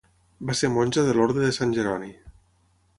Va ser monja de l'orde de Sant Jeroni.